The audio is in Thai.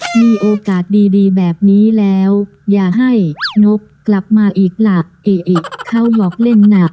มีโอกาสดีแบบนี้แล้วอย่าให้นกกลับมาอีกล่ะเอ๊ะเขาหยอกเล่นหนัก